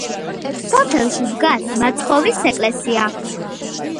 სოფელში დგას მაცხოვრის ეკლესია.